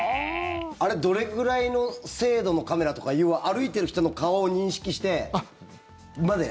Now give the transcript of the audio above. あれどれぐらいの精度のカメラとか歩いてる人の顔を認識してまで？